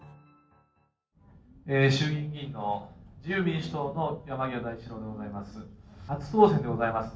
衆議院議員の自由民主党の山際大志郎でございます。